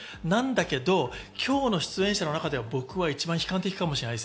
なんだけど今日の出演者の中では僕が一番悲観的かもしれない。